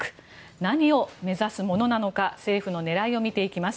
何を目指すものなのか政府の狙いを見ていきます。